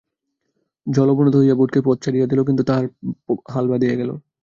জাল অবনত হইয়া বোটকে পথ ছাড়িয়া দিল, কিন্তু তাহার হাল বাধিয়া গেল।